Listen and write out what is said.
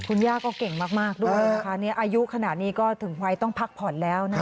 คุณย่าก็เก่งมากด้วยนะคะอายุขนาดนี้ก็ถึงวัยต้องพักผ่อนแล้วนะคะ